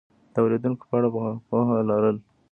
د اورېدونکو په اړه پوهه لرل